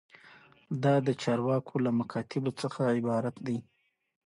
دا د چارواکو له مکاتیبو څخه عبارت دی.